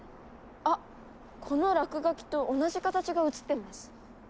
あっこの落書きと同じ形が映ってます。